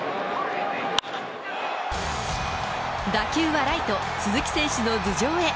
打球はライト、鈴木選手の頭上へ。